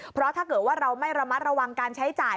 เพราะถ้าเกิดว่าเราไม่ระมัดระวังการใช้จ่าย